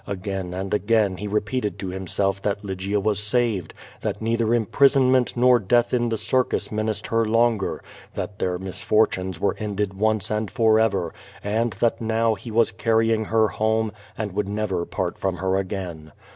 Again and again he repeated to him self that Lygia was saved, that neither imprisonment nor death in the circus menaced her longer, that their misfortunes were ended once and forever, and that now he was carrying QUO VADI8. 481 her home and would never part from her again.